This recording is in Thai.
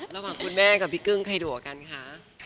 ระหว่างคุณแม่กับพี่กึ้งใครดัวกันคะ